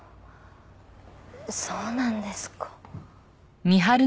そうなんですか。